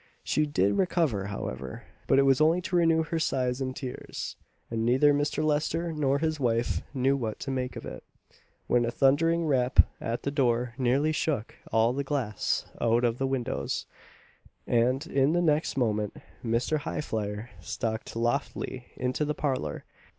She did recover, however, but it was only to renew her sighs and tears; and neither Mr. Lester nor his wife knew what to make of it, when a thundering rap at the door nearly shook all the glass out of the windows, and in the next moment Mr. Highflyer stalked loftily into the parlour.